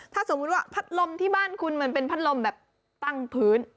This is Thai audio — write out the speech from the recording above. ถ้าสมมุติว่าพัดลมที่บ้านคุณมันเป็นพัดลมแบบตั้งพื้น